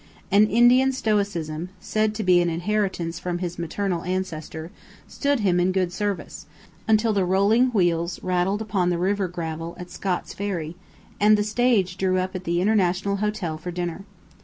An Indian stoicism said to be an inheritance from his maternal ancestor stood him in good service, until the rolling wheels rattled upon the river gravel at Scott's Ferry, and the stage drew up at the International Hotel for dinner.